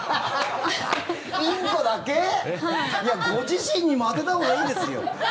ご自身にも当てたほうがいいですよ！